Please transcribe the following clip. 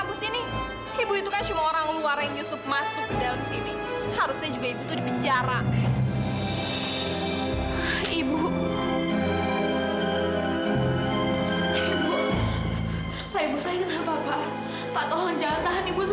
pak tolong jangan tahan ibu saya pak